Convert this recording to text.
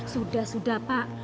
sudah sudah pak